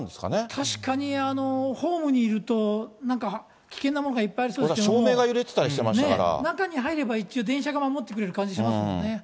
確かにホームにいると、なんか危険なものがいっぱいありそう照明が揺れてたりしていまし中に入れば一応、電車が守ってくれる感じしますもんね。